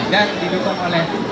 dan didukung oleh